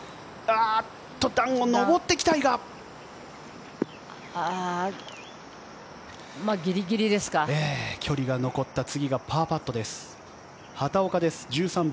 段を上ってきたいが距離が残ったパーパットになります。